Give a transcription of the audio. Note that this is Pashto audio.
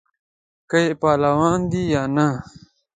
که یې خپلوان دي یا نه.